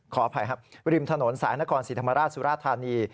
ขออภัยครับริมถนนสายนครศรีธรรมราชสุราธานี